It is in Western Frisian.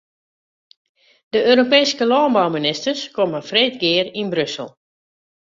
De Europeeske lânbouministers komme freed gear yn Brussel.